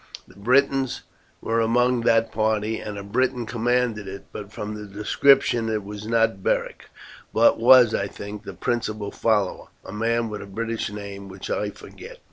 The Britons were among that party, and a Briton commanded it; but from the description it was not Beric, but was, I think, his principal follower, a man with a British name which I forget."